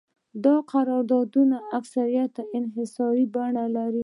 دا قراردادونه اکثراً انحصاري بڼه لري